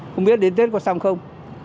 không biết đến tết có xong không